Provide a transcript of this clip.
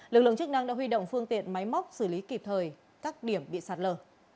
lực lượng chức năng đã huy động phương tiện máy móc xử lý kịp thời các điểm bị sạt lở